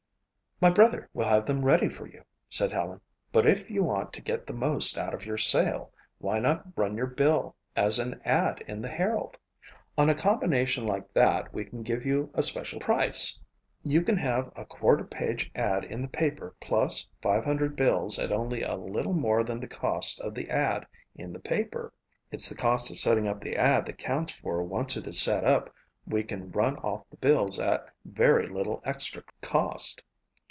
"My brother will have them ready for you," said Helen, "but if you want to get the most out of your sale, why not run your bill as an ad in the Herald. On a combination like that we can give you a special price. You can have a quarter page ad in the paper plus 500 bills at only a little more than the cost of the ad in the paper. It's the cost of setting up the ad that counts for once it is set up we can run off the bills at very little extra cost."